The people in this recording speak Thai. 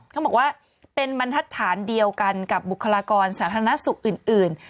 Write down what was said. เขาบอกว่าเป็นบรรทัศน์เดียวกันกับบุคลากรสาธารณสุขอื่น